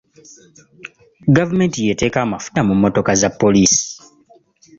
Gavumenti y'eteeka amafuta mu mmotoka za poliisi.